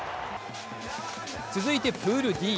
続いてプールＤ。